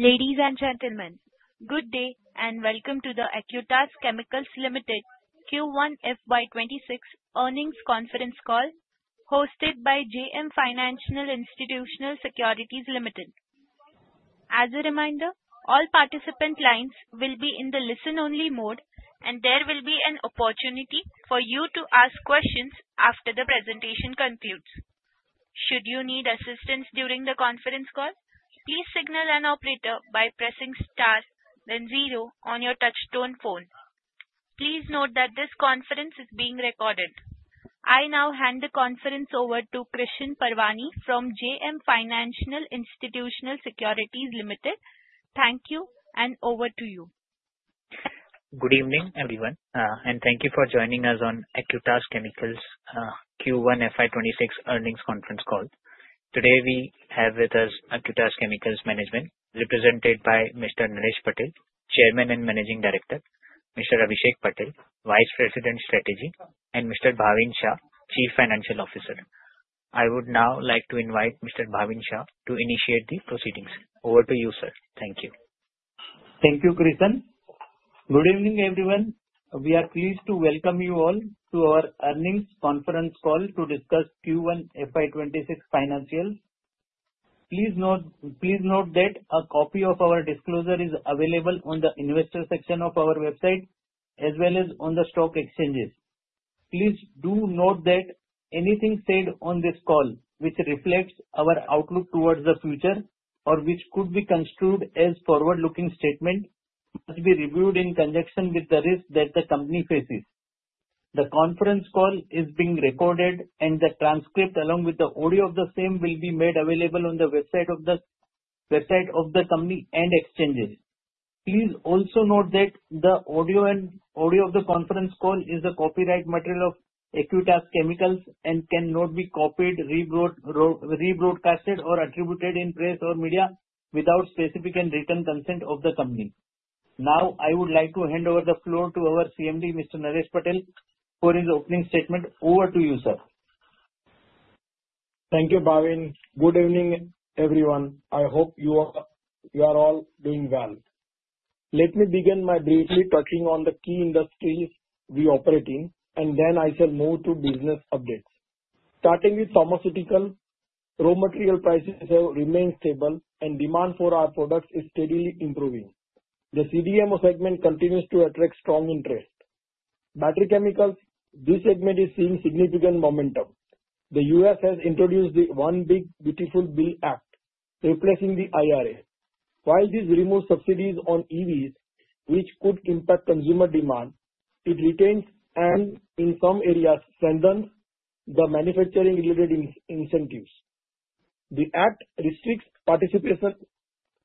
Ladies and gentlemen, good day and welcome to the Acutaas Chemicals Limited Q1 FY 2026 Earnings Conference Call, hosted by JM Financial Institutional Securities Limited. As a reminder, all participant lines will be in the listen-only mode, and there will be an opportunity for you to ask questions after the presentation concludes. Should you need assistance during the conference call, please signal an operator by pressing star then zero on your touch-tone phone. Please note that this conference is being recorded. I now hand the conference over to Krishan Parwani from JM Financial Institutional Securities Ltd. Thank you, and over to you. Good evening, everyone, and thank you for joining us on Acutaas Chemicals Q1 FY 2026 Earnings Conference Call. Today, we have with us Acutaas Chemicals management, represented by Mr. Naresh Patel, Chairman and Managing Director, Mr. Abhishek Patel, Vice President Strategy, and Mr. Bhavin Shah, Chief Financial Officer. I would now like to invite Mr. Bhavin Shah to initiate the proceedings. Over to you, sir. Thank you. Thank you, Krishan. Good evening, everyone. We are pleased to welcome you all to our Earnings Conference Call to discuss Q1 FY 2026 financials. Please note that a copy of our disclosure is available on the investor section of our website, as well as on the stock exchanges. Please do note that anything said on this call, which reflects our outlook towards the future or which could be construed as a forward-looking statement, must be reviewed in conjunction with the risk that the company faces. The conference call is being recorded, and the transcript, along with the audio of the same, will be made available on the website of the company and exchanges. Please also note that the audio of the conference call is a copyright material of Acutaas Chemicals and cannot be copied, rebroadcast, or attributed in press or media without specific and written consent of the company. Now, I would like to hand over the floor to our CMD, Mr. Naresh Patel, for his opening statement. Over to you, sir. Thank you, Bhavin. Good evening, everyone. I hope you are all doing well. Let me begin by briefly touching on the key industries we are operating, and then I shall move to business updates. Starting with pharmaceuticals, raw material prices have remained stable, and demand for our products is steadily improving. The CDMO segment continues to attract strong interest. Battery chemicals, this segment is seeing significant momentum. The U.S. has introduced the One Big Beautiful Bill Act, replacing the IRA. While this removes subsidies on EVs, which could impact consumer demand, it retains and, in some areas, strengthens the manufacturing-related incentives. The act restricts participation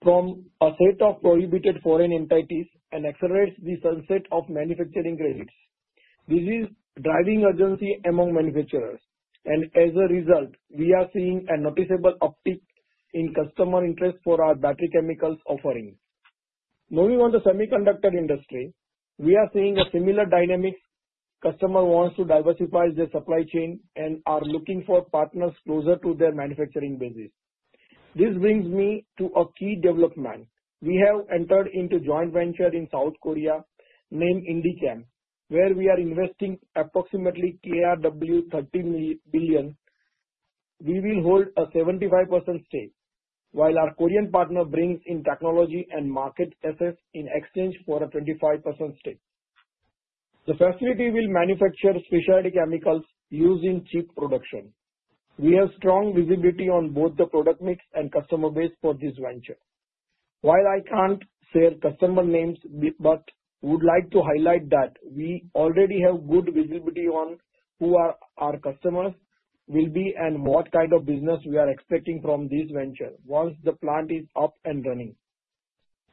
from a set of prohibited foreign entities and accelerates the sunset of manufacturing credits. This is driving urgency among manufacturers, and as a result, we are seeing a noticeable uptick in customer interest for our battery chemicals offerings. Moving on to the semiconductor industry, we are seeing a similar dynamic. Customers want to diversify their supply chain and are looking for partners closer to their manufacturing bases. This brings me to a key development. We have entered into a joint venture in South Korea, named Indichem, where we are investing approximately KRW 30 billion. We will hold a 75% stake, while our Korean partner brings in technology and market assets in exchange for a 25% stake. The facility will manufacture specialty chemicals using chip production. We have strong visibility on both the product mix and customer base for this venture. While I can't share customer names, but would like to highlight that we already have good visibility on who our customers will be and what kind of business we are expecting from this venture once the plant is up and running.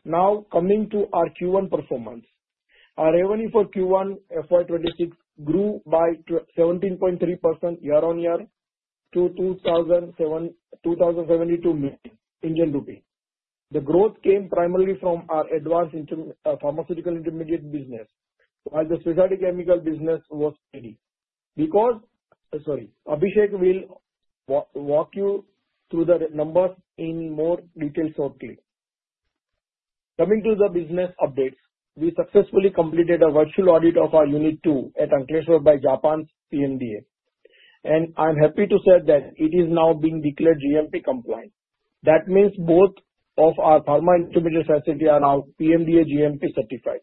Now, coming to our Q1 performance, our revenue for Q1 FY 2026 grew by 17.3% year-on-year to 2,072 million Indian rupee. The growth came primarily from our advanced pharmaceutical intermediate business, while the specialty chemical business was steady. Abhishek will walk you through the numbers in more detail shortly. Coming to the business updates, we successfully completed a virtual audit of our Unit II at Ankleshwar by Japan's PMDA, and I'm happy to say that it is now being declared GMP compliant. That means both of our pharma intermediate facilities are now PMDA GMP certified,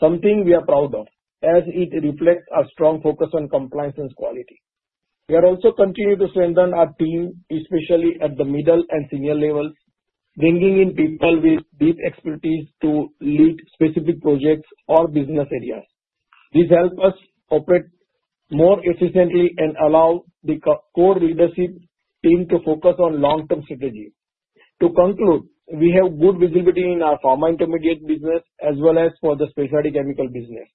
something we are proud of, as it reflects our strong focus on compliance and quality. We are also continuing to strengthen our team, especially at the middle and senior levels, bringing in people with deep expertise to lead specific projects or business areas. This helps us operate more efficiently and allows the core leadership team to focus on long-term strategy. To conclude, we have good visibility in our pharma intermediate business as well as for the specialty chemical business.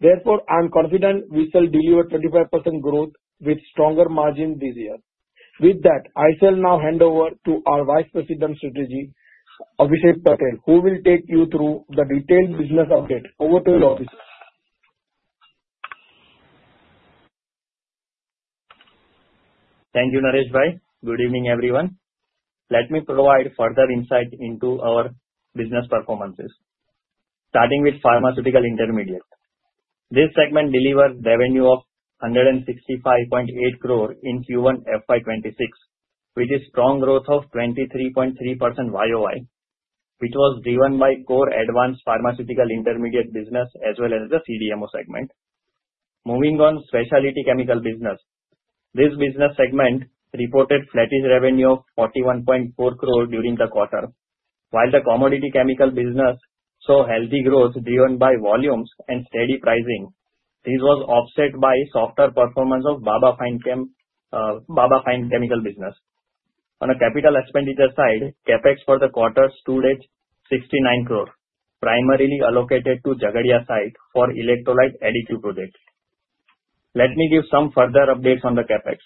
Therefore, I'm confident we shall deliver 25% growth with stronger margins this year. With that, I shall now hand over to our Vice President Strategy, Abhishek Patel, who will take you through the detailed business update. Over to you, officer. Thank you, Naresh bhai. Good evening, everyone. Let me provide further insight into our business performances. Starting with pharmaceutical intermediates, this segment delivers revenue of 165.8 crore in Q1 FY 2026, with a strong growth of 23.3% YoY, which was driven by core advanced pharmaceutical intermediate business as well as the CDMO segment. Moving on to specialty chemical business, this business segment reported flat revenue of 41.4 crore during the quarter, while the commodity chemical business saw healthy growth driven by volumes and steady pricing. This was offset by softer performance of Baba Fine Chemicals business. On the capital expenditure side, CapEx for the quarter stood at 69 crore, primarily allocated to Jhagadia site for electrolyte additive projects. Let me give some further updates on the CapEx.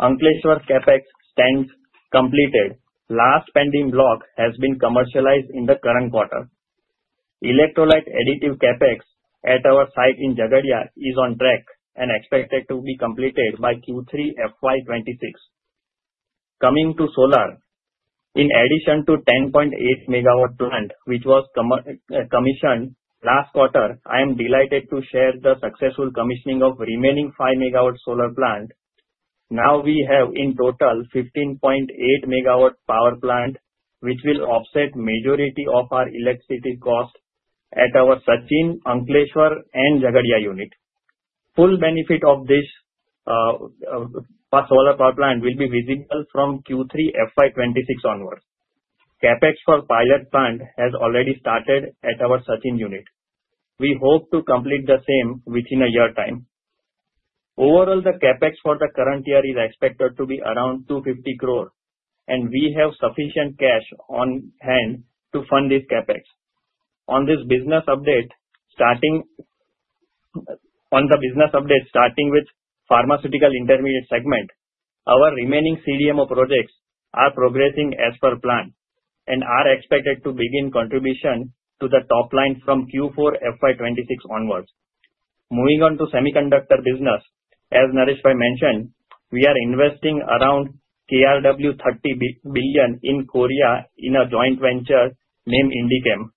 Ankleshwar CapEx stands completed. The last pending block has been commercialized in the current quarter. Electrolyte additive CapEx at our site in Jhagadia is on track and expected to be completed by Q3 FY 2026. Coming to solar, in addition to the 10.8 MW plant, which was commissioned last quarter, I am delighted to share the successful commissioning of the remaining 5 MW solar plant. Now, we have in total 15.8 MW power plant, which will offset the majority of our electricity cost at our Sachin, Ankleshwar, and Jhagadia unit. The full benefit of this solar power plant will be visible from Q3 FY 2026 onwards. CapEx for the pilot plant has already started at our Sachin unit. We hope to complete the same within a year's time. Overall, the CapEx for the current year is expected to be around 250 crore, and we have sufficient cash on hand to fund this CapEx. On the business update, starting with pharmaceutical intermediate segment, our remaining CDMO projects are progressing as per plan and are expected to begin contributions to the top line from Q4 FY 2026 onwards. Moving on to semiconductor business, as Naresh bhai mentioned, we are investing around KRW 30 billion in Korea in a joint venture named Indichem,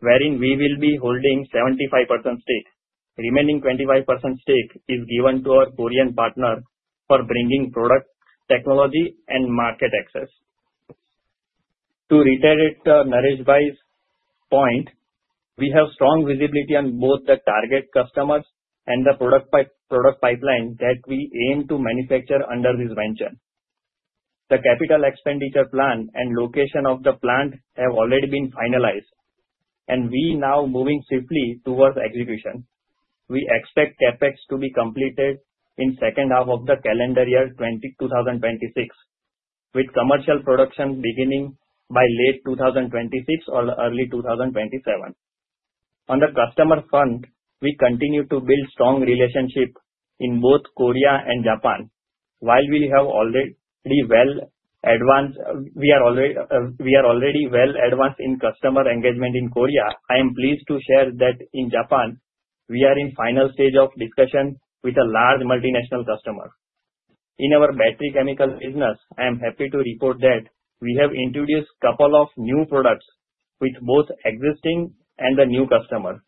wherein we will be holding a 75% stake. The remaining 25% stake is given to our Korean partner for bringing product technology and market access. To reiterate Naresh bhai's point, we have strong visibility on both the target customers and the product pipeline that we aim to manufacture under this venture. The capital expenditure plan and location of the plant have already been finalized, and we are now moving swiftly towards execution. We expect CapEx to be completed in the second half of the calendar year 2026, with commercial production beginning by late 2026 or early 2027. On the customer front, we continue to build strong relationships in both Korea and Japan. While we are already well advanced in customer engagement in Korea, I am pleased to share that in Japan, we are in the final stage of discussions with a large multinational customer. In our battery chemical business, I am happy to report that we have introduced a couple of new products with both existing and the new customers.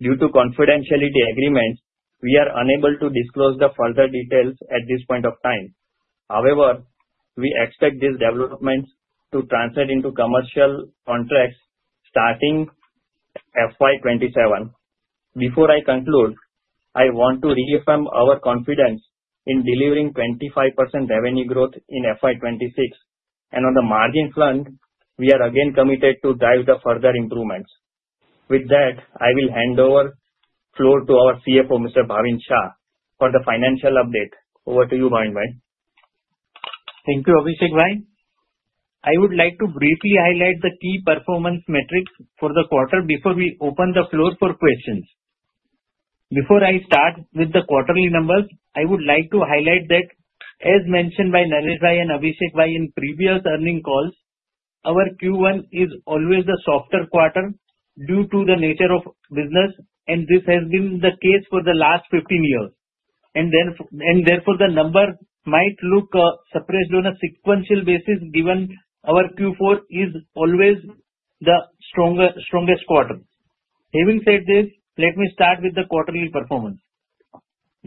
Due to confidentiality agreements, we are unable to disclose further details at this point in time. However, we expect these developments to translate into commercial contracts starting FY 2027. Before I conclude, I want to reaffirm our confidence in delivering 25% revenue growth in FY 2026, and on the margin front, we are again committed to drive further improvements. With that, I will hand over the floor to our CFO, Mr. Bhavin Shah, for the financial update. Over to you, Bhavin bhai. Thank you, Abhishek bhai. I would like to briefly highlight the key performance metrics for the quarter before we open the floor for questions. Before I start with the quarterly numbers, I would like to highlight that, as mentioned by Naresh bhai and Abhishek bhai in previous earnings calls, our Q1 is always a softer quarter due to the nature of business, and this has been the case for the last 15 years. Therefore, the number might look suppressed on a sequential basis given our Q4 is always the strongest quarter. Having said this, let me start with the quarterly performance.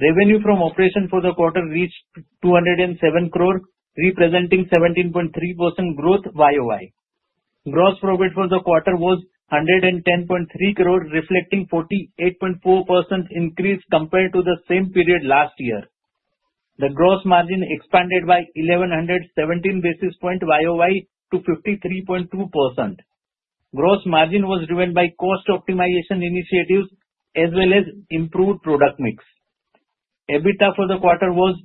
Revenue from operations for the quarter reached 207 crore, representing 17.3% growth YoY. Gross profit for the quarter was 110.3 crore, reflecting a 48.4% increase compared to the same period last year. The gross margin expanded by 1,117 basis points YoY to 53.2%. Gross margin was driven by cost optimization initiatives as well as improved product mix. EBITDA for the quarter was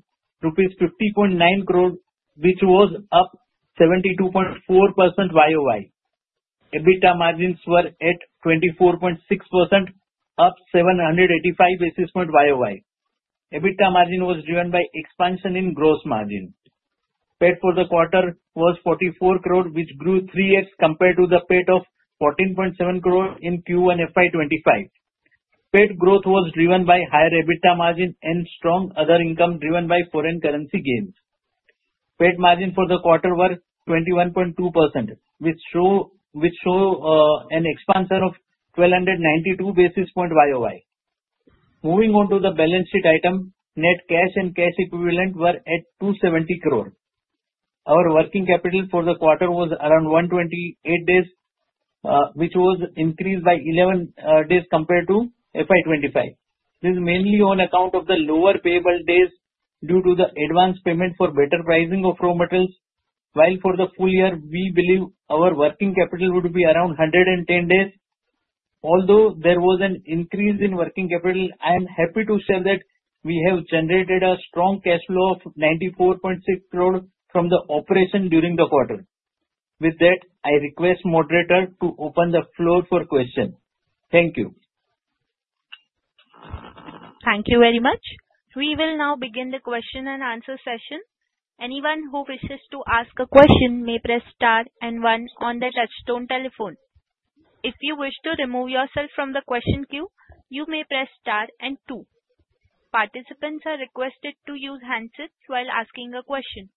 rupees 50.9 crore, which was up 72.4% YoY. EBITDA margins were at 24.6%, up 785 basis points YoY. EBITDA margin was driven by expansion in gross margin. Payout for the quarter wasINR 44 crore, which grew 3x compared to the payout of 14.7 crore in Q1 FY 2025. Payout growth was driven by higher EBITDA margin and strong other income driven by foreign currency gains. Payout margin for the quarter was 21.2%, which showed an expansion of 1,292 basis points YoY. Moving on to the balance sheet item, net cash and cash equivalent were at 270 crore. Our working capital for the quarter was around 128 days, which was increased by 11 days compared to FY 2025. This is mainly on account of the lower payable days due to the advanced payment for better pricing of raw materials, while for the full year, we believe our working capital would be around 110 days. Although there was an increase in working capital, I am happy to share that we have generated a strong cash flow of 94.6 crore from the operations during the quarter. With that, I request the moderator to open the floor for questions. Thank you. Thank you very much. We will now begin the question and answer session. Anyone who wishes to ask a question may press star and one on the touch-tone telephone. If you wish to remove yourself from the question queue, you may press star and two. Participants are requested to use handsets while asking a question.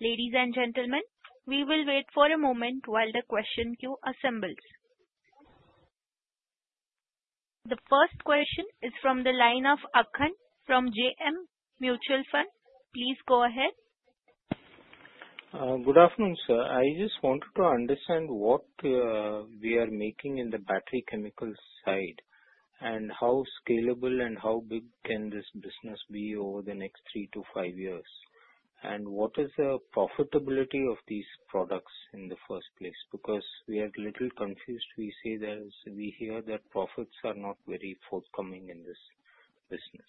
Ladies and gentlemen, we will wait for a moment while the question queue assembles. The first question is from the line of Akhand from JM Financial Mutual Fund. Please go ahead. Good afternoon, sir. I just wanted to understand what we are making in the battery chemical side and how scalable and how big can this business be over the next three to five years, and what is the profitability of these products in the first place? Because we are a little confused. We hear that profits are not very forthcoming in this business.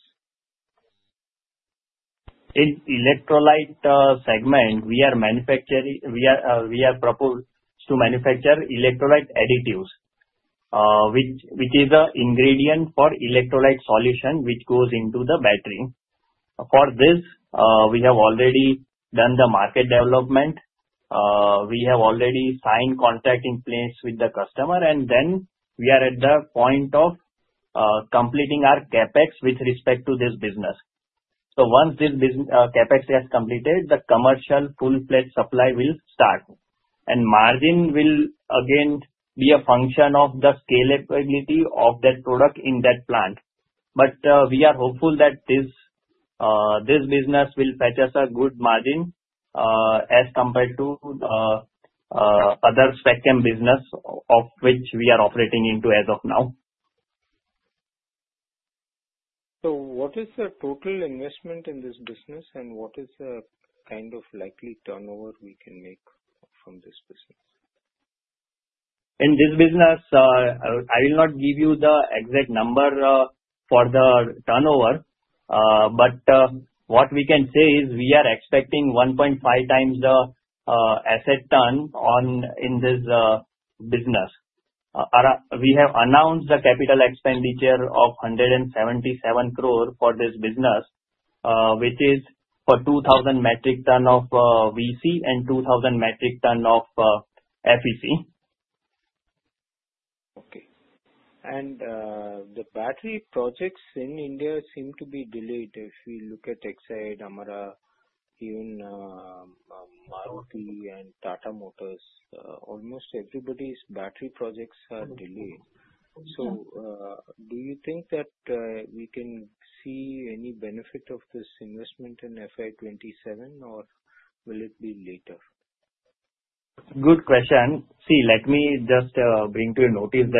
In the electrolyte segment, we are proposed to manufacture electrolyte additives, which is an ingredient for electrolyte solution that goes into the battery. For this, we have already done the market development. We have already signed contract in place with the customer, and then we are at the point of completing our CapEx with respect to this business. So once this CapEx is completed, the commercial full-fledged supply will start, and margin will again be a function of the scalability of that product in that plant. But we are hopeful that this business will fetch us a good margin as compared to other spec-chem businesses which we are operating into as of now. So what is the total investment in this business, and what is the kind of likely turnover we can make from this business? In this business, I will not give you the exact number for the turnover, but what we can say is we are expecting 1.5x the asset turn in this business. We have announced the capital expenditure of 177 crore for this business, which is for 2,000 metric tons of VC and 2,000 metric tons of FEC. Okay, and the battery projects in India seem to be delayed. If we look at Exide, Amara, even Maruti and Tata Motors, almost everybody's battery projects are delayed, so do you think that we can see any benefit of this investment in FY 2027, or will it be later? Good question. See, let me just bring to your notice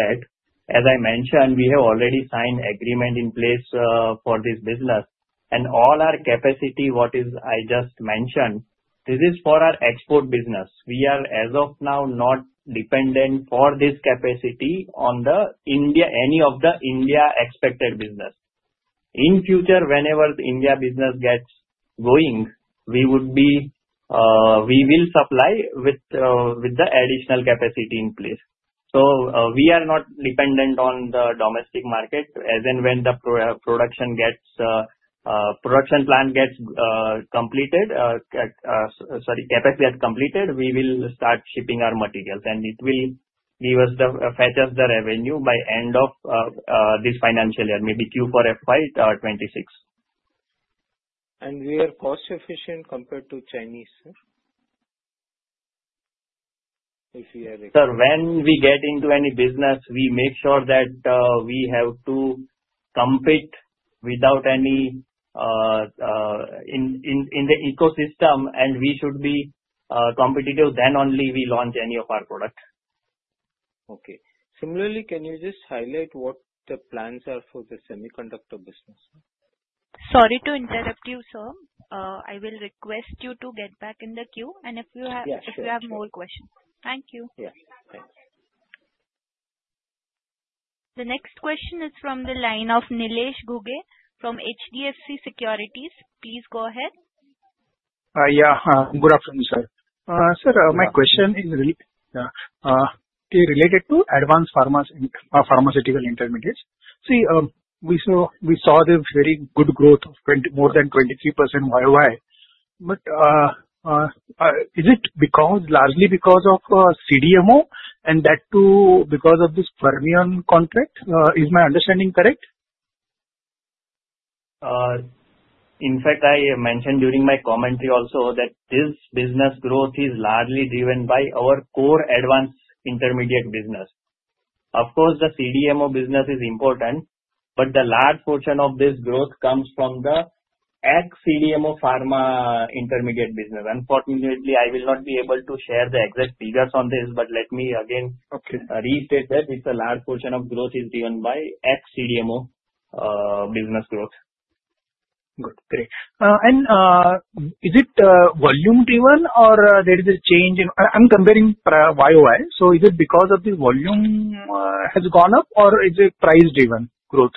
that, as I mentioned, we have already signed an agreement in place for this business, and all our capacity, what I just mentioned, this is for our export business. We are, as of now, not dependent on this capacity on any of the Indian export business. In the future, whenever the India business gets going, we will supply with the additional capacity in place. So we are not dependent on the domestic market. As and when the production plant gets completed, sorry, CapEx gets completed, we will start shipping our materials, and it will fetch us the revenue by the end of this financial year, maybe Q4 FY 2026. We are cost-efficient compared to Chinese, sir? If we are. Sir, when we get into any business, we make sure that we have to compete with anybody in the ecosystem, and we should be competitive. Then only we launch any of our products. Okay. Similarly, can you just highlight what the plans are for the semiconductor business? Sorry to interrupt you, sir. I will request you to get back in the queue, and if you have more questions. Thank you. Yes. Thanks. The next question is from the line of Nilesh Ghuge from HDFC Securities. Please go ahead. Yeah. Good afternoon, sir. Sir, my question is related to advanced pharmaceutical intermediates. See, we saw the very good growth of more than 23% YoY. But is it largely because of CDMO and that too because of this Fermion contract? Is my understanding correct? In fact, I mentioned during my commentary also that this business growth is largely driven by our core advanced intermediate business. Of course, the CDMO business is important, but the large portion of this growth comes from the ex-CDMO pharma intermediate business. Unfortunately, I will not be able to share the exact figures on this, but let me again restate that the large portion of growth is driven by ex-CDMO business growth. Good. Great. And is it volume-driven, or there is a change in. I'm comparing YOY. So is it because of the volume has gone up, or is it price-driven growth? Growth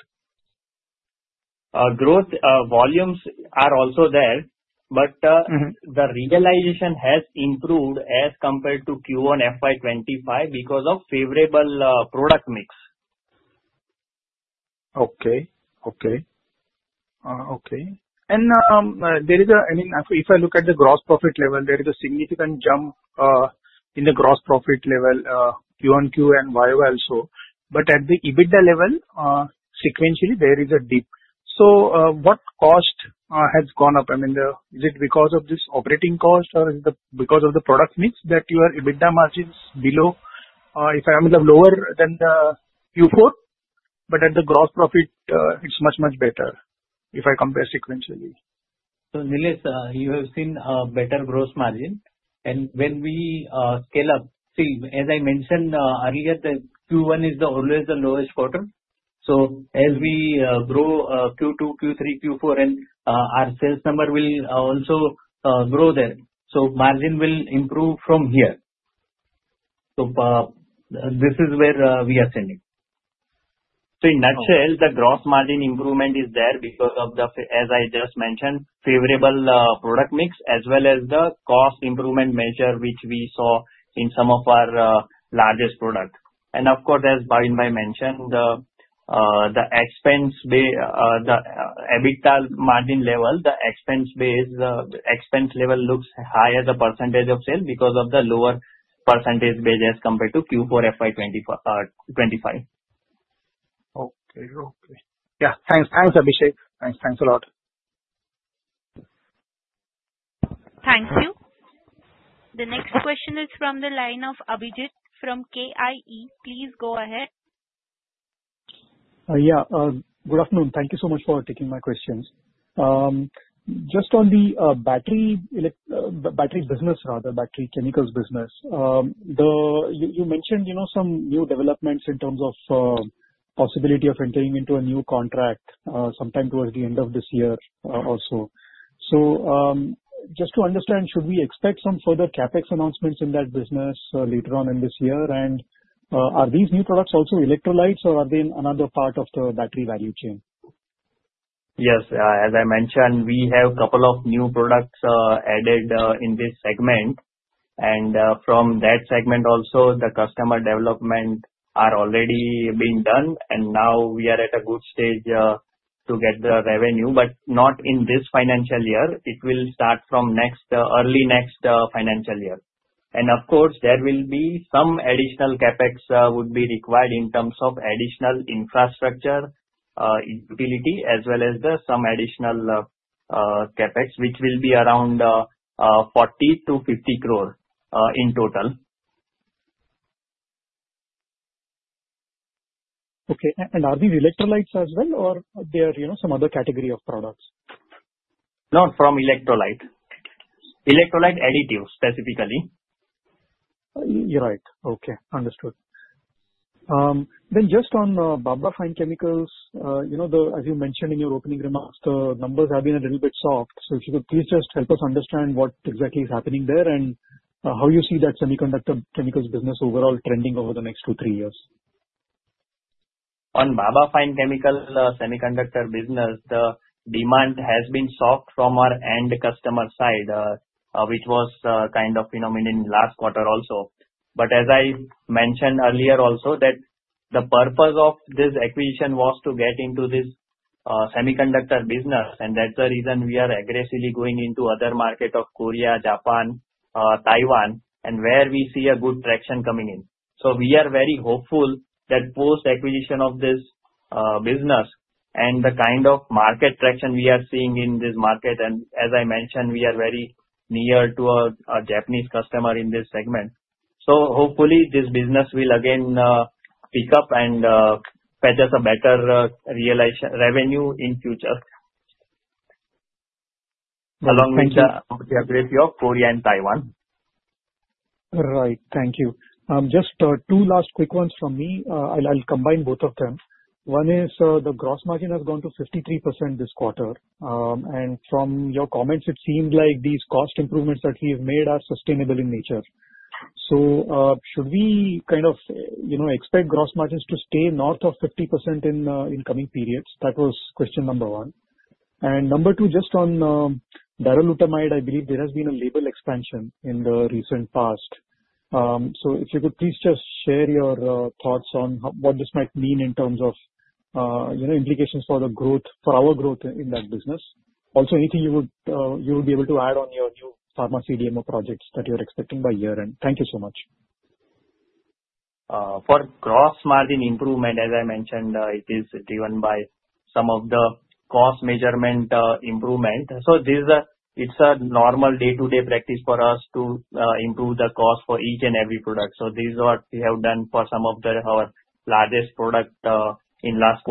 volumes are also there, but the realization has improved as compared to Q1 FY 2025 because of favorable product mix. Okay. And there is, I mean, if I look at the gross profit level, there is a significant jump in the gross profit level, Q1, Q2, and YoY also. But at the EBITDA level, sequentially, there is a dip. So what cost has gone up? I mean, is it because of this operating cost, or is it because of the product mix that your EBITDA margin is below, I mean, lower than Q4? But at the gross profit, it's much, much better if I compare sequentially. Nilesh, you have seen a better gross margin. And when we scale up, see, as I mentioned earlier, Q1 is always the lowest quarter. So as we grow Q2, Q3, Q4, and our sales number will also grow there. So margin will improve from here. So this is where we are standing. So in a nutshell, the gross margin improvement is there because of the, as I just mentioned, favorable product mix as well as the cost improvement measure which we saw in some of our largest products. And of course, as Bhavin bhai mentioned, the EBITDA margin level, the expense level looks higher as a percentage of sale because of the lower percentage base as compared to Q4 FY 2025. Okay. Okay. Yeah. Thanks. Thanks, Abhishek. Thanks. Thanks a lot. Thank you. The next question is from the line of Abhijit from KIE. Please go ahead. Yeah. Good afternoon. Thank you so much for taking my questions. Just on the battery business, rather, battery chemicals business, you mentioned some new developments in terms of possibility of entering into a new contract sometime towards the end of this year also. So just to understand, should we expect some further CapEx announcements in that business later on in this year? And are these new products also electrolytes, or are they in another part of the battery value chain? Yes. As I mentioned, we have a couple of new products added in this segment. And from that segment also, the customer development is already being done, and now we are at a good stage to get the revenue, but not in this financial year. It will start from early next financial year. And of course, there will be some additional CapEx that would be required in terms of additional infrastructure utility as well as some additional CapEx, which will be around 40 crore - 50 crore in total. Okay. And are these electrolytes as well, or they are some other category of products? No, from electrolyte. Electrolyte additives, specifically. You're right. Okay. Understood. Then just on Baba Fine Chemicals, as you mentioned in your opening remarks, the numbers have been a little bit soft. So if you could please just help us understand what exactly is happening there and how you see that semiconductor chemicals business overall trending over the next two, three years. On Baba Fine Chemicals semiconductor business, the demand has been soft from our end customer side, which was kind of in the last quarter also. But as I mentioned earlier also, the purpose of this acquisition was to get into this semiconductor business, and that's the reason we are aggressively going into other markets of Korea, Japan, Taiwan, and where we see a good traction coming in. So we are very hopeful that post-acquisition of this business and the kind of market traction we are seeing in this market, and as I mentioned, we are very near to a Japanese customer in this segment. So hopefully, this business will again pick up and fetch us a better revenue in the future along with the growth in Korea and Taiwan. Right. Thank you. Just two last quick ones from me. I'll combine both of them. One is the gross margin has gone to 53% this quarter, and from your comments, it seemed like these cost improvements that we have made are sustainable in nature, so should we kind of expect gross margins to stay north of 50% in coming periods? That was question number one, and number two, just on Darolutamide, I believe there has been a label expansion in the recent past. So if you could please just share your thoughts on what this might mean in terms of implications for our growth in that business. Also, anything you would be able to add on your new pharma CDMO projects that you're expecting by year-end? Thank you so much. For gross margin improvement, as I mentioned, it is driven by some of the cost measurement improvement. So it's a normal day-to-day practice for us to improve the cost for each and every product. So this is what we have done for some of our largest products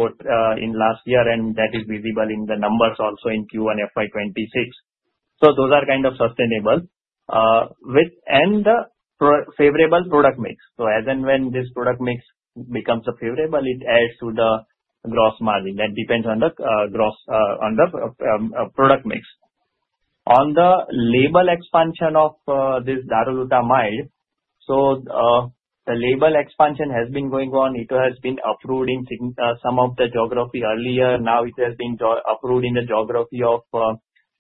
in last year, and that is visible in the numbers also in Q1 FY 2026. So those are kind of sustainable and favorable product mix. So as and when this product mix becomes favorable, it adds to the gross margin. That depends on the product mix. On the label expansion of this Darolutamide, so the label expansion has been going on. It has been approved in some of the geographies earlier. Now it has been approved in the geography of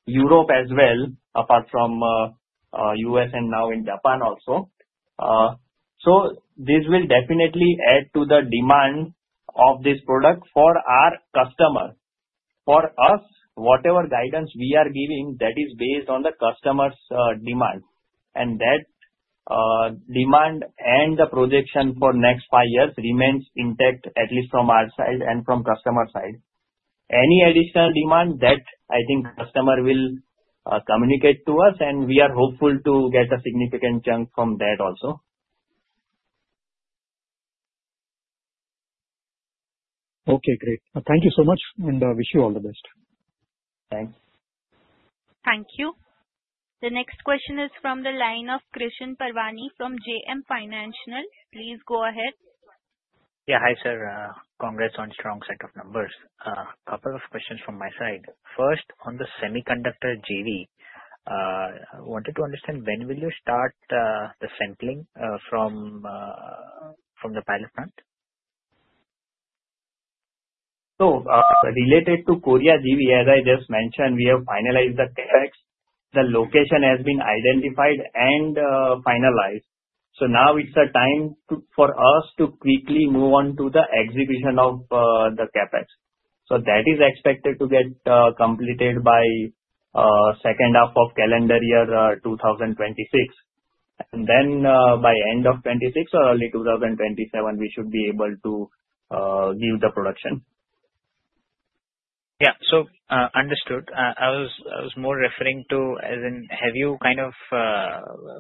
Europe as well, apart from the U.S. and now in Japan also. So this will definitely add to the demand of this product for our customer. For us, whatever guidance we are giving, that is based on the customer's demand. And that demand and the projection for the next five years remains intact, at least from our side and from the customer's side. Any additional demand, I think the customer will communicate to us, and we are hopeful to get a significant chunk from that also. Okay. Great. Thank you so much, and wish you all the best. Thanks. Thank you. The next question is from the line of Krishan Parwani from JM Financial. Please go ahead. Yeah. Hi, sir. Congrats on a strong set of numbers. A couple of questions from my side. First, on the semiconductor JV, I wanted to understand when will you start the sampling from the pilot plant? So related to Korea JV, as I just mentioned, we have finalized the CapEx. The location has been identified and finalized. So now it's time for us to quickly move on to the execution of the CapEx. So that is expected to get completed by the second half of the calendar year 2026. And then by the end of 2026 or early 2027, we should be able to give the production. Yeah. So understood. I was more referring to, as in, have you kind of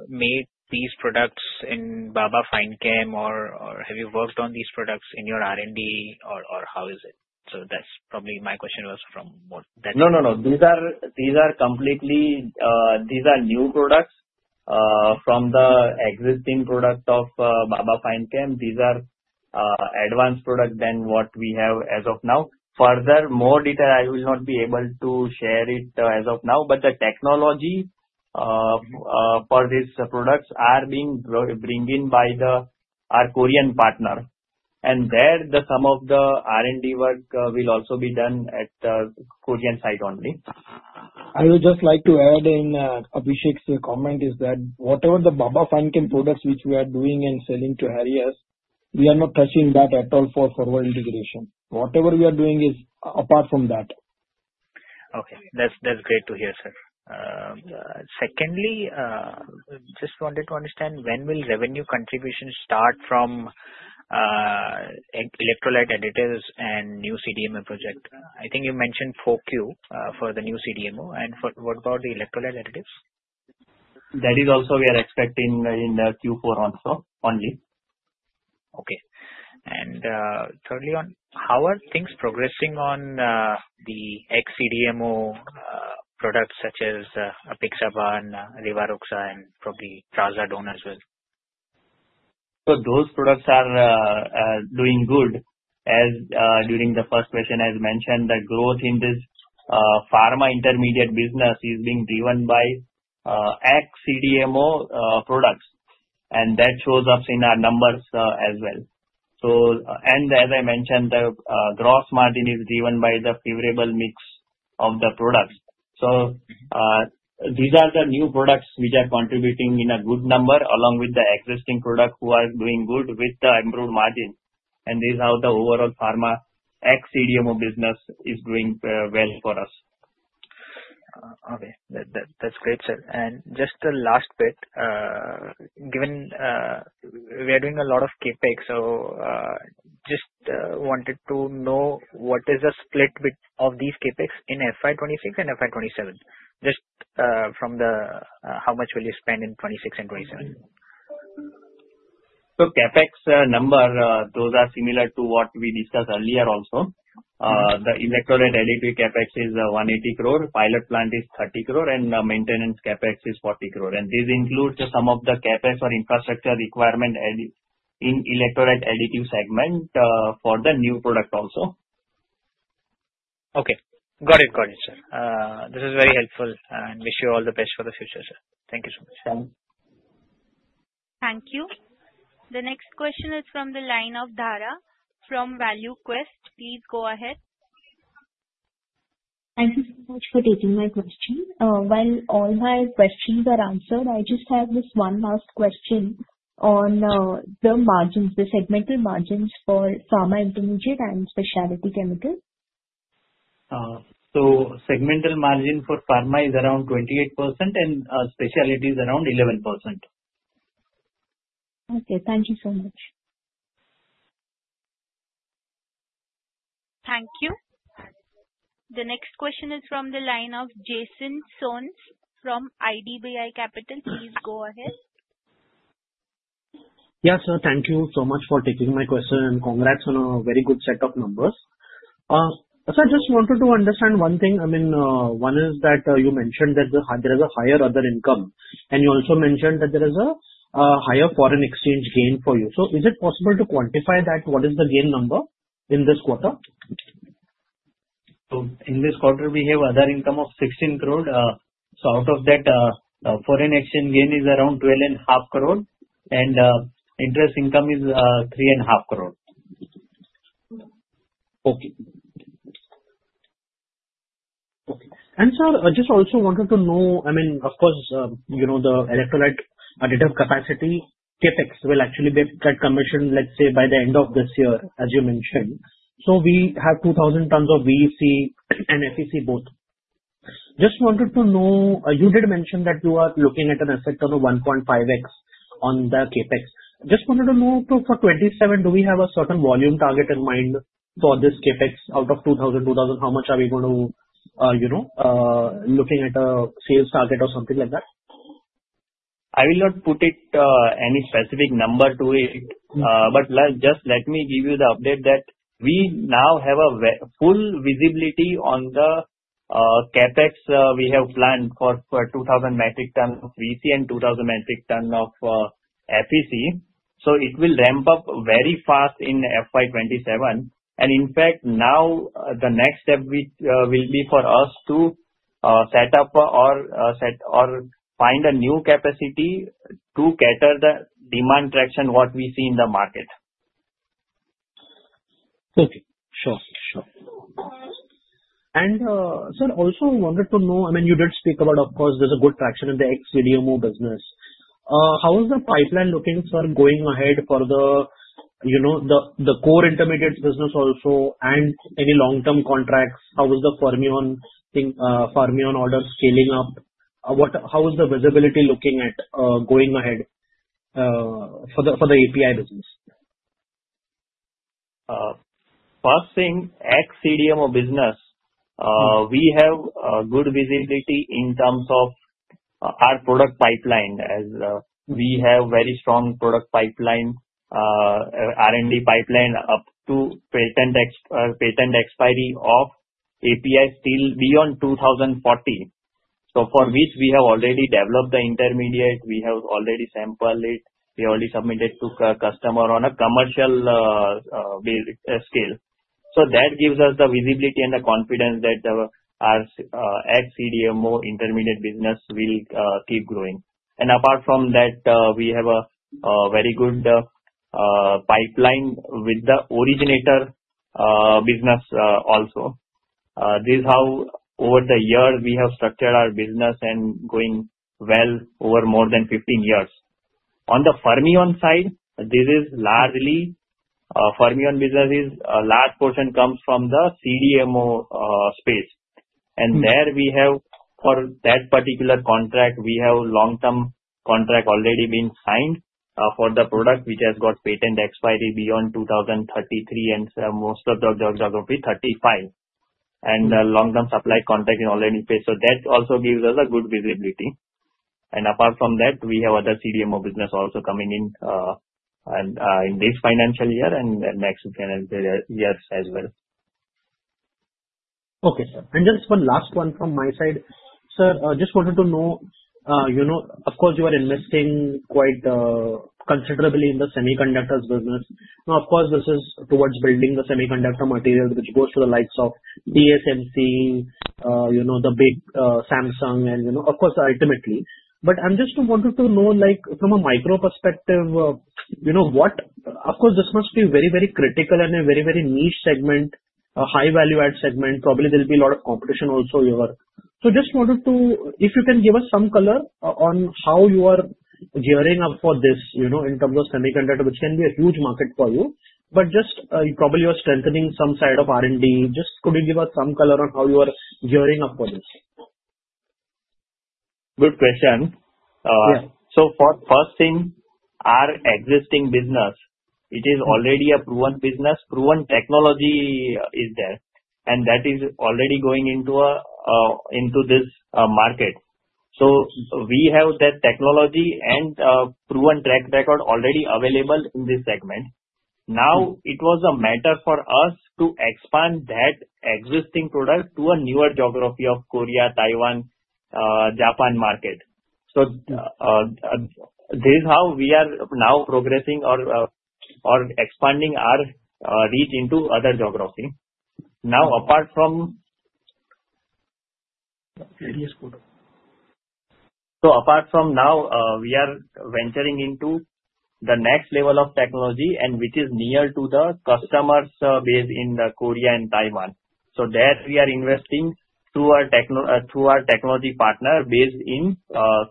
made these products in Baba Fine Chemicals or have you worked on these products in your R&D, or how is it? So that's probably my question was from that. No, no, no. These are completely new products from the existing products of Baba Fine Chemicals. These are advanced products than what we have as of now. Further, more detail, I will not be able to share it as of now, but the technology for these products is being brought in by our Korean partner, and there, some of the R&D work will also be done at the Korean site only. I would just like to add in Abhishek's comment is that whatever the Baba Fine Chemicals products which we are doing and selling to Heraeus, we are not touching that at all for forward integration. Whatever we are doing is apart from that. Okay. That's great to hear, sir. Secondly, just wanted to understand when will revenue contributions start from electrolyte additives and new CDMO project? I think you mentioned 4Q for the new CDMO. And what about the electrolyte additives? That is also, we are expecting in Q4 also only. Okay. And thirdly, how are things progressing on the ex-CDMO products such as Apixaban, Rivaroxaban, and probably Trazodone as well? So those products are doing good. As during the first question, as mentioned, the growth in this pharma intermediate business is being driven by ex-CDMO products. And that shows up in our numbers as well. And as I mentioned, the gross margin is driven by the favorable mix of the products. So these are the new products which are contributing in a good number along with the existing products who are doing good with the improved margin. And this is how the overall pharma ex-CDMO business is doing well for us. Okay. That's great, sir. And just the last bit, given we are doing a lot of CapEx, so just wanted to know what is the split of these CapEx in FY 2026 and FY 2027? Just from the how much will you spend in 2026 and 2027? CapEx number, those are similar to what we discussed earlier also. The electrolyte additive CapEx is 180 crore, pilot plant is 30 crore, and maintenance CapEx is 40 crore. This includes some of the CapEx or infrastructure requirement in the electrolyte additive segment for the new product also. Okay. Got it. Got it, sir. This is very helpful, and wish you all the best for the future, sir. Thank you so much. Thanks. Thank you. The next question is from the line of Dhara. From ValueQuest, please go ahead. Thank you so much for taking my question. While all my questions are answered, I just have this one last question on the margins, the segmental margins for pharma intermediate and specialty chemicals. Segmental margin for pharma is around 28%, and specialty is around 11%. Okay. Thank you so much. Thank you. The next question is from the line of Jason Soans from IDBI Capital. Please go ahead. Yes, sir. Thank you so much for taking my question, and congrats on a very good set of numbers. So I just wanted to understand one thing. I mean, one is that you mentioned that there is a higher other income, and you also mentioned that there is a higher foreign exchange gain for you. So is it possible to quantify that? What is the gain number in this quarter? In this quarter, we have other income of 16 crore. Out of that, foreign exchange gain is around 12.5 crore, and interest income is 3.5 crore. Okay. Okay. And sir, I just also wanted to know, I mean, of course, the electrolyte additive capacity CapEx will actually get conversion, let's say, by the end of this year, as you mentioned. So we have 2,000 tons of VC and FEC both. Just wanted to know, you did mention that you are looking at an effect on 1.5x on the CapEx. Just wanted to know, for 2027, do we have a certain volume target in mind for this CapEx out of 2,000, 2,000? How much are we going to looking at a sales target or something like that? I will not put any specific number to it, but just let me give you the update that we now have a full visibility on the CapEx we have planned for 2,000 metric tons of VC and 2,000 metric tons of FEC. So it will ramp up very fast in FY 2027, and in fact, now the next step will be for us to set up or find a new capacity to cater the demand traction what we see in the market. Okay. Sure. Sure. And sir, also wanted to know, I mean, you did speak about, of course, there's a good traction in the ex-CDMO business. How is the pipeline looking, sir, going ahead for the core intermediate business also and any long-term contracts? How is the Fermion order scaling up? How is the visibility looking at going ahead for the API business? First thing, ex-CDMO business, we have good visibility in terms of our product pipeline as we have very strong product pipeline, R&D pipeline up to patent expiry of API still beyond 2040. So for which we have already developed the intermediate. We have already sampled it. We already submitted to customer on a commercial scale. So that gives us the visibility and the confidence that our ex-CDMO intermediate business will keep growing. And apart from that, we have a very good pipeline with the originator business also. This is how over the year we have structured our business and going well over more than 15 years. On the Fermion side, this is largely Fermion businesses. A large portion comes from the CDMO space. There we have, for that particular contract, we have long-term contract already been signed for the product which has got patent expiry beyond 2033, and most of the jobs are going to be 35. Long-term supply contract is already in place. That also gives us a good visibility. Apart from that, we have other CDMO business also coming in in this financial year and next financial year as well. Okay, sir. And just one last one from my side. Sir, I just wanted to know, of course, you are investing quite considerably in the semiconductors business. Now, of course, this is towards building the semiconductor material which goes to the likes of TSMC, the big Samsung, and of course, ultimately. But I'm just wanting to know, from a micro perspective, of course, this must be very, very critical and a very, very niche segment, a high-value-add segment. Probably there'll be a lot of competition also here. So just wanted to, if you can give us some color on how you are gearing up for this in terms of semiconductor, which can be a huge market for you, but just probably you are strengthening some side of R&D. Just could you give us some color on how you are gearing up for this? Good question. So first thing, our existing business, it is already a proven business. Proven technology is there, and that is already going into this market. So we have that technology and proven track record already available in this segment. Now it was a matter for us to expand that existing product to a newer geography of Korea, Taiwan, Japan market. So this is how we are now progressing or expanding our reach into other geography. Now, apart from. So, apart from now, we are venturing into the next level of technology and which is near to the customer's base in Korea and Taiwan. So there we are investing through our technology partner based in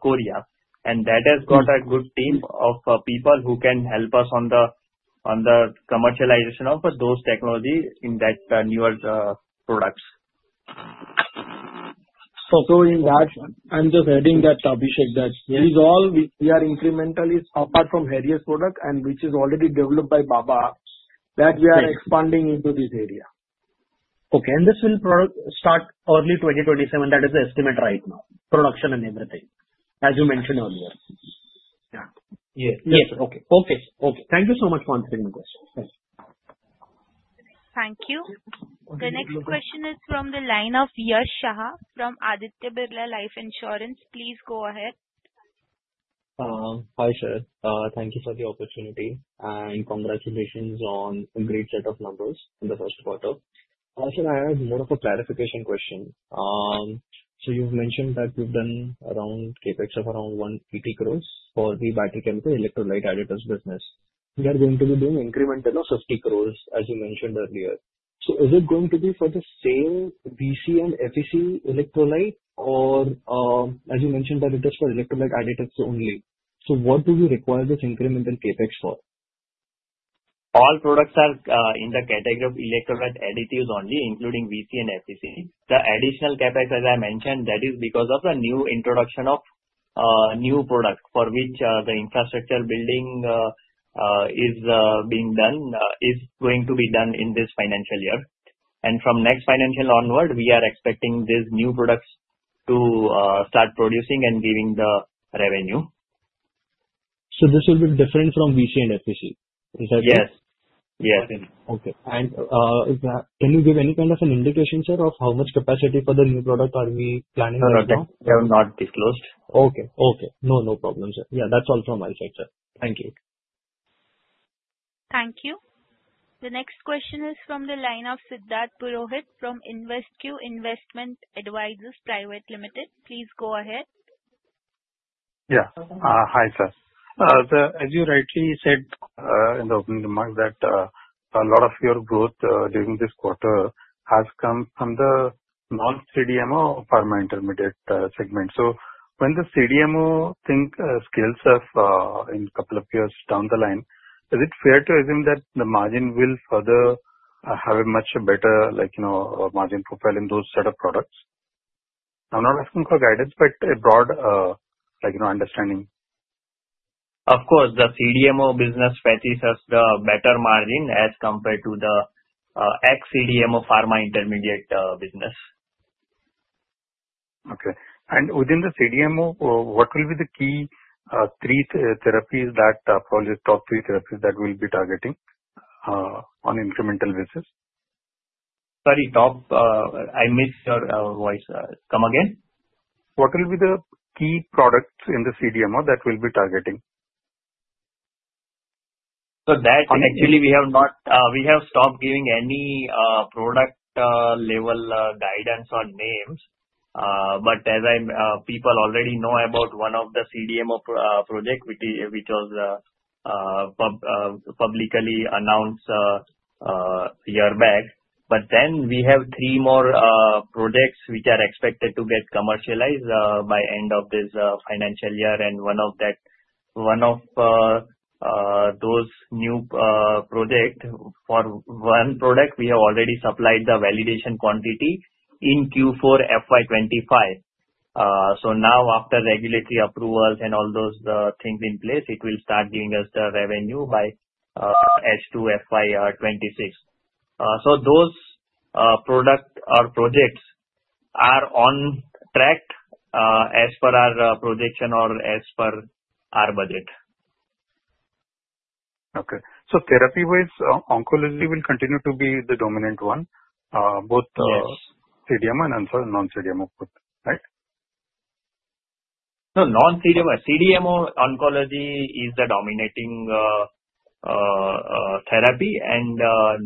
Korea. And that has got a good team of people who can help us on the commercialization of those technologies in that newer products. So in that, I'm just adding that, Abhishek, that there is also we are incrementally apart from Heraeus product and which is already developed by Baba, that we are expanding into this area. Okay. And this will start early 2027. That is the estimate right now, production and everything, as you mentioned earlier. Yeah. Yes. Yes. Okay. Thank you so much for answering my question. Thanks. Thank you. The next question is from the line of Yash Shah from Aditya Birla Sun Life Insurance. Please go ahead. Hi, sir. Thank you for the opportunity. And congratulations on a great set of numbers in the first quarter. Also, I have more of a clarification question. So you've mentioned that you've done around CapEx of around 180 crores for the battery chemical electrolyte additive business. We are going to be doing incremental of 50 crores, as you mentioned earlier. So is it going to be for the same VC and FEC electrolyte, or as you mentioned, that it is for electrolyte additives only? So what do we require this incremental CapEx for? All products are in the category of electrolyte additives only, including VC and FEC. The additional CapEx, as I mentioned, that is because of the new introduction of new products for which the infrastructure building is being done is going to be done in this financial year, and from next financial onward, we are expecting these new products to start producing and giving the revenue. So this will be different from VC and FEC. Is that right? Yes. Yes. Okay, and can you give any kind of an indication, sir, of how much capacity for the new product are we planning to do? They have not disclosed. Okay. Okay. No, no problem, sir. Yeah, that's all from my side, sir. Thank you. Thank you. The next question is from the line of Siddharth Purohit from InvesQ Investment Advisors Private Limited. Please go ahead. Yeah. Hi, sir. As you rightly said in the opening remark, that a lot of your growth during this quarter has come from the non-CDMO pharma intermediate segment. So when the CDMO thing scales up in a couple of years down the line, is it fair to assume that the margin will further have a much better margin profile in those set of products? I'm not asking for guidance, but a broad understanding. Of course, the CDMO business fetches us the better margin as compared to the ex-CDMO pharma intermediate business. Okay, and within the CDMO, what will be the key three therapies, the top three therapies that we'll be targeting on an incremental basis? Sorry, I missed your voice. Come again. What will be the key products in the CDMO that we'll be targeting? So that actually, we have stopped giving any product-level guidance on names. But as people already know about one of the CDMO projects, which was publicly announced a year back. But then we have three more projects which are expected to get commercialized by the end of this financial year. And one of those new projects for one product, we have already supplied the validation quantity in Q4 FY 2025. So now, after regulatory approvals and all those things in place, it will start giving us the revenue by H2 FY 2026. So those products or projects are on track as per our projection or as per our budget. Okay. So therapy-wise, oncology will continue to be the dominant one, both CDMO and also non-CDMO, right? Non-CDMO oncology is the dominating therapy.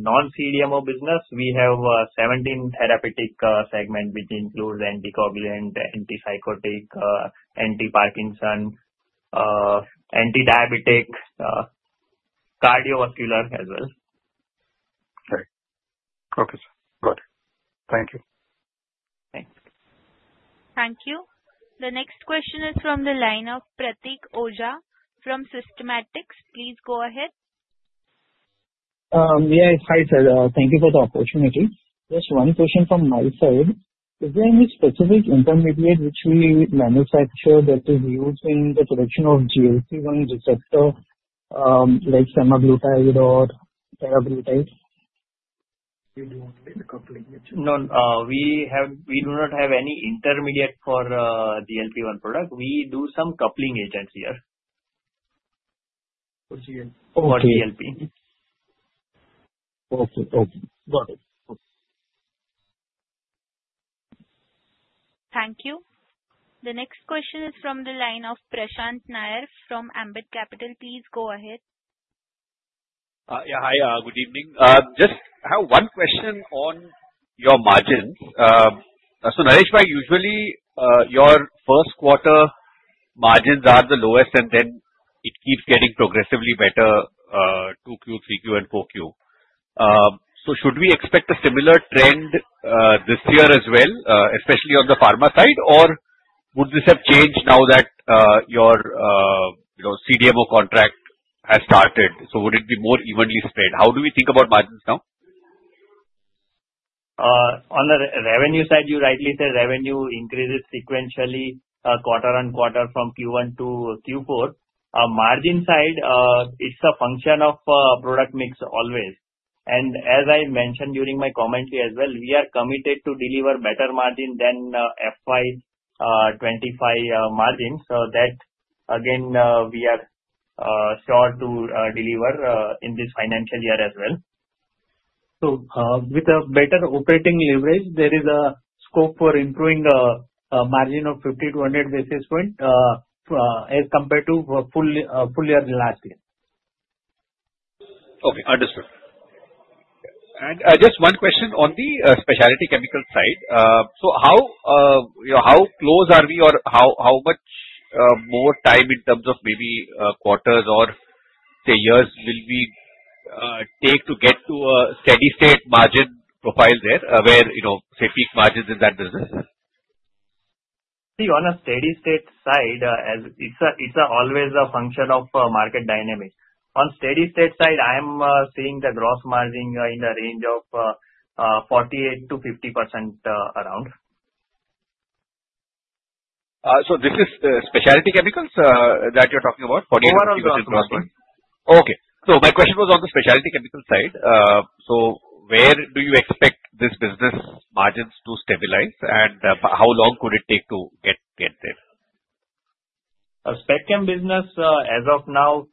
Non-CDMO business, we have 17 therapeutic segments which includes anticoagulant, antipsychotic, antiparkinson, antidiabetic, cardiovascular as well. Okay. Okay, sir. Got it. Thank you. Thanks. Thank you. The next question is from the line of Pratik Oza from Systematix. Please go ahead. Yes, hi sir. Thank you for the opportunity. Just one question from my side. Is there any specific intermediate which we manufacture that is used in the production of GLP-1 receptors like semaglutide or tirzepatide? No, we do not have any intermediate for GLP-1 products. We do some coupling agents here. For GLP. Okay. Okay. Got it. Thank you. The next question is from the line of Prashant Nair from Ambit Capital. Please go ahead. Yeah, hi. Good evening. Just have one question on your margins. So Nareshbhai, usually your first quarter margins are the lowest, and then it keeps getting progressively better to Q3, Q4, and Q4. So should we expect a similar trend this year as well, especially on the pharma side, or would this have changed now that your CDMO contract has started? So would it be more evenly spread? How do we think about margins now? On the revenue side, you rightly said revenue increases sequentially quarter on quarter from Q1 to Q4. Margin side, it's a function of product mix always, and as I mentioned during my commentary as well, we are committed to deliver better margin than FY 2025 margin, so that, again, we are sure to deliver in this financial year as well. So with a better operating leverage, there is a scope for improving a margin of 50-100 basis points as compared to full year last year. Okay. Understood. And just one question on the specialty chemical side. So how close are we, or how much more time in terms of maybe quarters or, say, years will we take to get to a steady-state margin profile there where, say, peak margins in that business? See, on a steady-state side, it's always a function of market dynamic. On steady-state side, I am seeing the gross margin in the range of 48%-50% around. So this is specialty chemicals that you're talking about? 48%-50% gross margin? Okay. So my question was on the specialty chemical side. So where do you expect this business margins to stabilize, and how long could it take to get there? Spectrum business, as of now,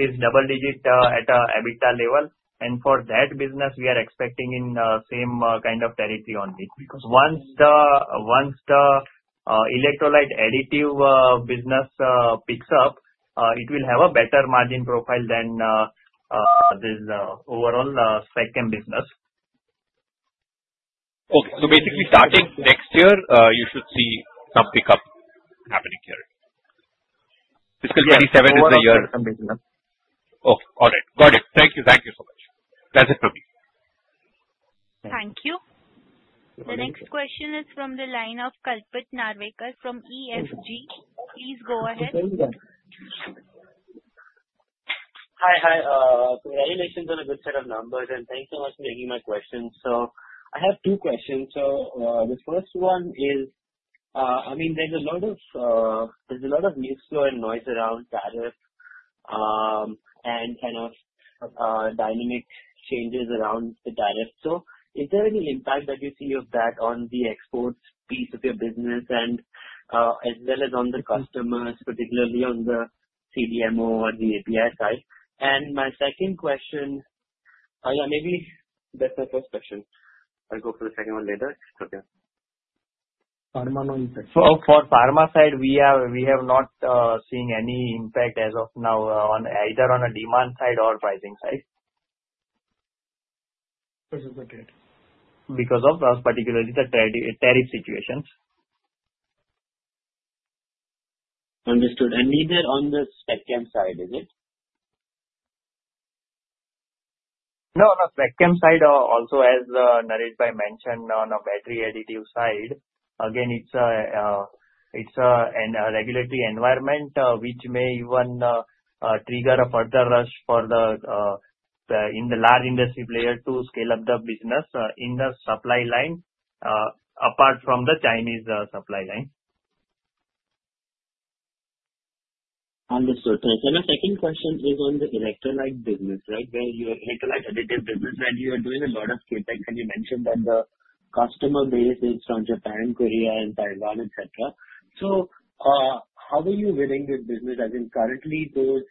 is double-digit at an EBITDA level, and for that business, we are expecting in the same kind of territory only. Because once the electrolyte additive business picks up, it will have a better margin profile than this overall spectrum business. Okay. So basically, starting next year, you should see some pickup happening here. Fiscal 2027 is the year. Yeah, something like that. Oh, all right. Got it. Thank you. Thank you so much. That's it from me. Thank you. The next question is from the line of Kalpit Narvekar from EFG. Please go ahead. Hi, hi. Congratulations on a good set of numbers, and thanks so much for taking my questions. So I have two questions. So the first one is, I mean, there's a lot of news flow and noise around tariffs and kind of dynamic changes around the tariffs. So is there any impact that you see of that on the export piece of your business and as well as on the customers, particularly on the CDMO or the API side? And my second question, yeah, maybe that's my first question. I'll go for the second one later. It's okay. For pharma side, we have not seen any impact as of now, either on a demand side or pricing side because of the trade. Because of, particularly, the tariff situations. Understood. And neither on the spectrum side, is it? No, no. Specialty side also, as Nareshbhai mentioned, on a battery additive side, again, it's a regulatory environment which may even trigger a further rush in the large industry player to scale up the business in the supply line apart from the Chinese supply line. Understood. And my second question is on the electrolyte business, right, where your electrolyte additive business, and you are doing a lot of CapEx, and you mentioned that the customer base is from Japan, Korea, and Taiwan, etc. So how are you winning with business? As in, currently, those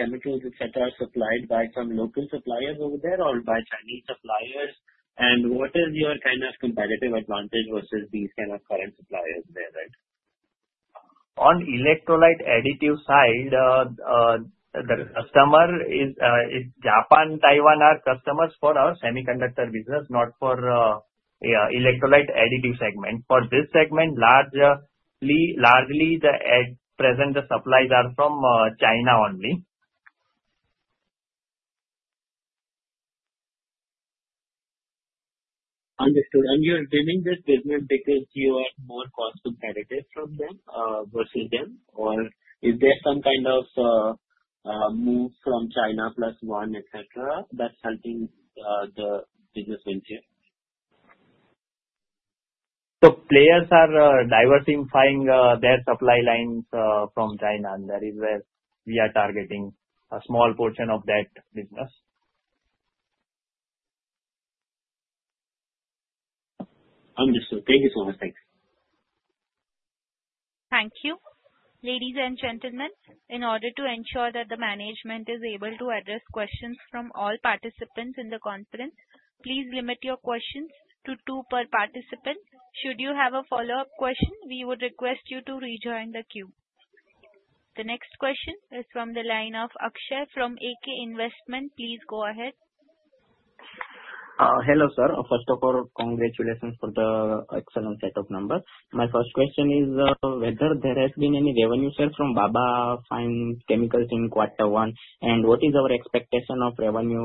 chemicals, etc., are supplied by some local suppliers over there or by Chinese suppliers? And what is your kind of competitive advantage versus these kind of current suppliers there, right? On the electrolyte additive side, the customers are in Japan and Taiwan for our semiconductor business, not for the electrolyte additive segment. For this segment, largely at present, the supplies are from China only. Understood. And you're doing this business because you are more cost-competitive from them versus them, or is there some kind of move from China plus one, etc., that's helping the business wins here? The players are diversifying their supply lines from China, and that is where we are targeting a small portion of that business. Understood. Thank you so much. Thanks. Thank you. Ladies and gentlemen, in order to ensure that the management is able to address questions from all participants in the conference, please limit your questions to two per participant. Should you have a follow-up question, we would request you to rejoin the queue. The next question is from the line of Akshay from AK Investment. Please go ahead. Hello, sir. First of all, congratulations for the excellent set of numbers. My first question is whether there has been any revenue, sir, from Baba Fine Chemicals in quarter one, and what is our expectation of revenue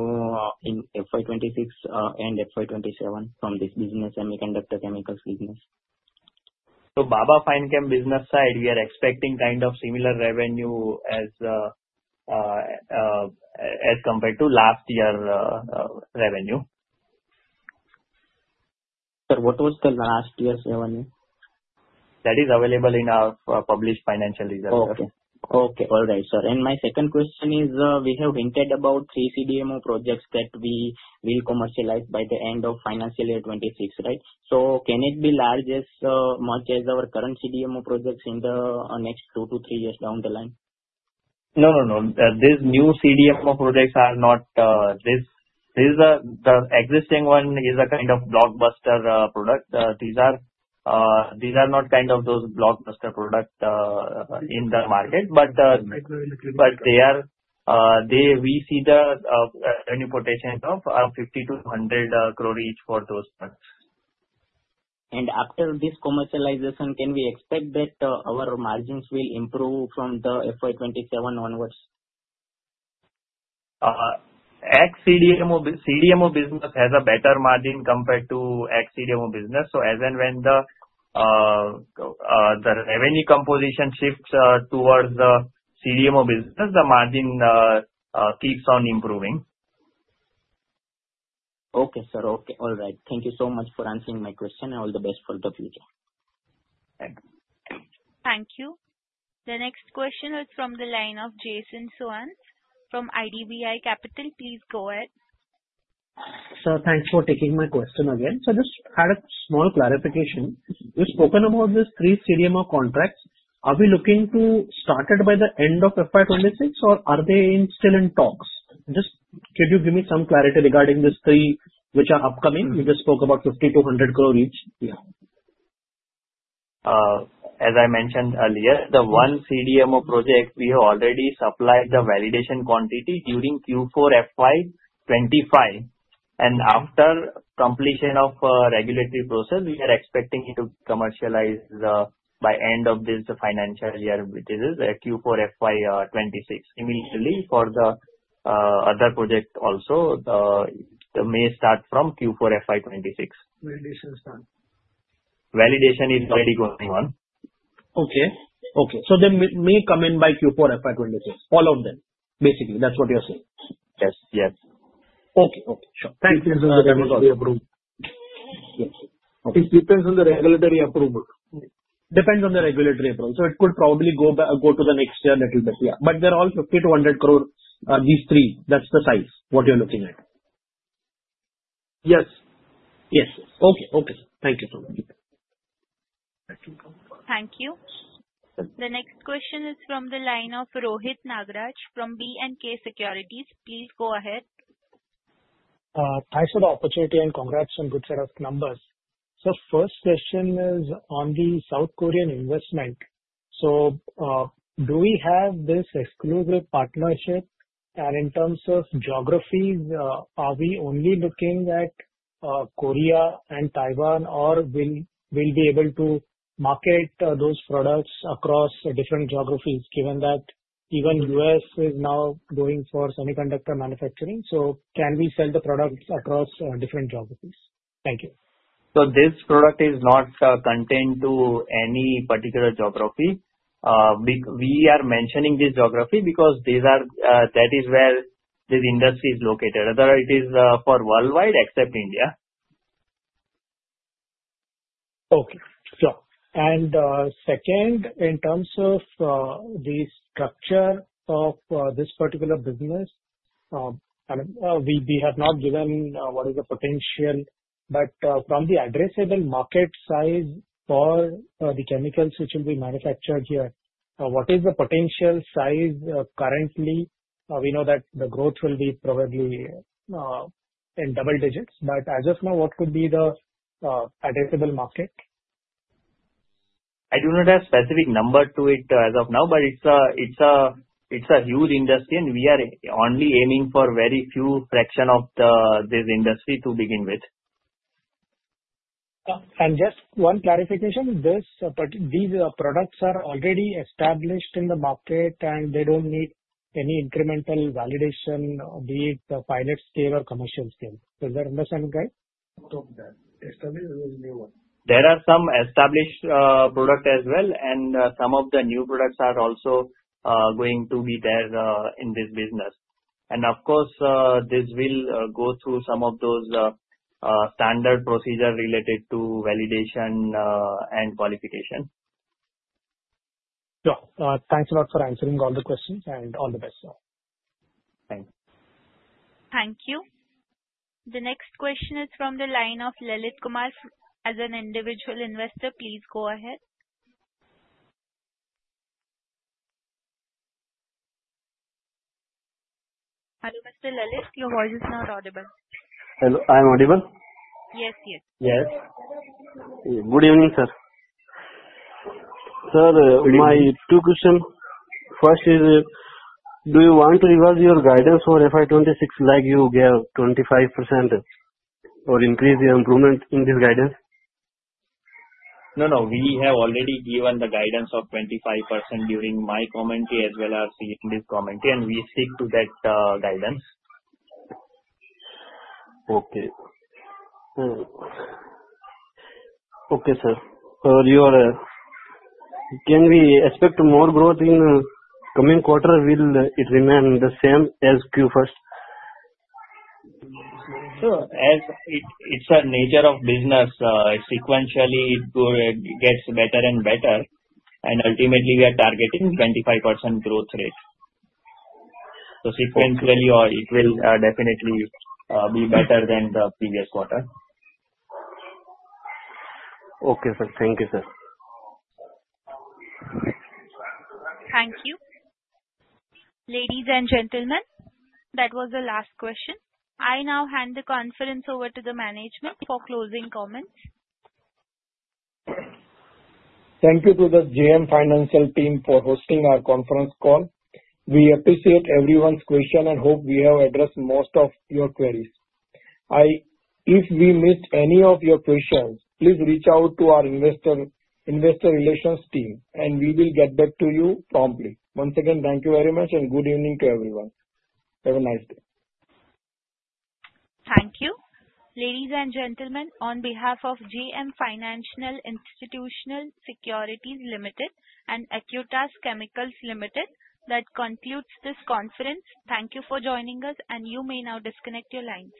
in FY 2026 and FY 2027 from this business, semiconductor chemicals business? So, Baba Fine Chemicals business side, we are expecting kind of similar revenue as compared to last year's revenue. Sir, what was the last year's revenue? That is available in our published financial results. All right, sir. And my second question is, we have hinted about three CDMO projects that we will commercialize by the end of financial year 2026, right? So can it be as large as our current CDMO projects in the next two to three years down the line? No, no, no. These new CDMO projects are not. This existing one is a kind of blockbuster product. These are not kind of those blockbuster products in the market, but we see the revenue potential of 50 crore- 100 crore each for those products. After this commercialization, can we expect that our margins will improve from the FY 2027 onwards? CDMO business has a better margin compared to ex-CDMO business. So as and when the revenue composition shifts towards the CDMO business, the margin keeps on improving. Okay, sir. Okay. All right. Thank you so much for answering my question, and all the best for the future. Thank you. Thank you. The next question is from the line of Jason Soans from IDBI Capital. Please go ahead. Sir, thanks for taking my question again. So just had a small clarification. You spoke about these three CDMO contracts. Are we looking to start it by the end of FY 2026, or are they still in talks? Just could you give me some clarity regarding these three which are upcoming? You just spoke about 50 crore-100 crore each. Yeah. As I mentioned earlier, the one CDMO project, we have already supplied the validation quantity during Q4 FY 2025, and after completion of regulatory process, we are expecting to commercialize by the end of this financial year, which is Q4 FY 2026. Similarly, for the other project also, it may start from Q4 FY 2026. Validation is already going on. Okay. Okay. So they may come in by Q4 FY 2026. All of them, basically. That's what you're saying? Yes. Yes. Okay. Okay. Sure. Thank you. It depends on the regulatory approval. Yes. It depends on the regulatory approval. Depends on the regulatory approval. So it could probably go to the next year a little bit. Yeah. But they're all 50 crore-100 crore, these three. That's the size what you're looking at. Yes. Okay. Okay. Thank you so much. Thank you. The next question is from the line of Rohit Nagraj from B & K Securities. Please go ahead. Thanks for the opportunity and congrats on a good set of numbers. So first question is on the South Korean investment. So do we have this exclusive partnership? And in terms of geographies, are we only looking at Korea and Taiwan, or will we be able to market those products across different geographies, given that even the U.S. is now going for semiconductor manufacturing? So can we sell the products across different geographies? Thank you. So this product is not contained to any particular geography. We are mentioning this geography because that is where this industry is located. Otherwise, it is for worldwide except India. Okay. Sure. And second, in terms of the structure of this particular business, I mean, we have not given what is the potential, but from the addressable market size for the chemicals which will be manufactured here, what is the potential size currently? We know that the growth will be probably in double digits, but as of now, what could be the addressable market? I do not have a specific number to it as of now, but it's a huge industry, and we are only aiming for a very few fraction of this industry to begin with. And just one clarification. These products are already established in the market, and they don't need any incremental validation, be it pilot scale or commercial scale. Does that make sense? There are some established products as well, and some of the new products are also going to be there in this business. And of course, this will go through some of those standard procedures related to validation and qualification. Sure. Thanks a lot for answering all the questions, and all the best. Thanks. Thank you. The next question is from the line of Lalit Kumar as an individual investor, please go ahead. Hello, Mr. Lalit. Your voice is not audible. Hello. I'm audible? Yes, yes. Yes. Good evening, sir. Sir, my two questions. First is, do you want to revise your guidance for FY 2026 like you gave 25% or increase your improvement in this guidance? No, no. We have already given the guidance of 25% during my commentary as well as in this commentary, and we stick to that guidance. Okay. Okay, sir. So can we expect more growth in the coming quarter? Will it remain the same as Q1? Sure. It's a nature of business. Sequentially, it gets better and better, and ultimately, we are targeting 25% growth rate. So sequentially, it will definitely be better than the previous quarter. Okay, sir. Thank you, sir. Thank you. Ladies and gentlemen, that was the last question. I now hand the conference over to the management for closing comments. Thank you to the JM Financial team for hosting our conference call. We appreciate everyone's questions and hope we have addressed most of your queries. If we missed any of your questions, please reach out to our investor relations team, and we will get back to you promptly. Once again, thank you very much, and good evening to everyone. Have a nice day. Thank you. Ladies and gentlemen, on behalf of JM Financial Institutional Securities Limited and Acutaas Chemicals Limited, that concludes this conference. Thank you for joining us, and you may now disconnect your lines.